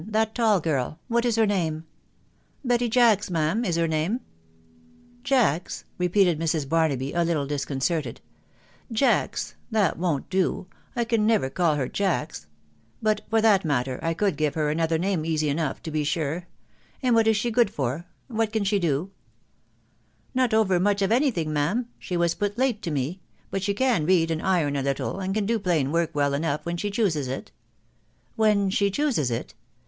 that tall girl ... What is her name ?"" Betty Jacks, ma'am, is her name." " Jacks ?" repeated Mrs. Barnaby, a little disconcerted ; t€ Jacks !.... that wo'n't do .... I can never call her Jacks; but for that matter, I could gtofc \\« sxvoxhsx t*stcn» e 82 THE WIDOW BARNABY. easy enough, to be sure .... And what is she good for ?..., what can she do ?" iC Not over much of any thing, ma'am. She was put late to me. But she can read, and iron a little, and can do plain work well enough when she chooses it." " When she chooses it